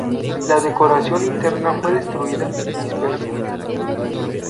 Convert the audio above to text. La decoración interna fue destruida y dispersa.